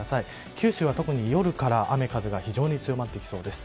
九州は、特に夜から雨、風が非常に強まってきそうです。